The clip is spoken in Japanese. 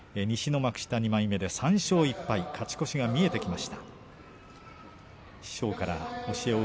西の幕下２枚目、３勝１敗勝ち越しが見えてきました。